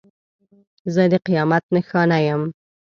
زه د قیامت نښانه یم.